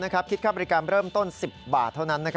คิดค่าบริการเริ่มต้น๑๐บาทเท่านั้น